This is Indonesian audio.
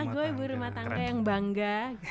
gue ibu rumah tangga yang bangga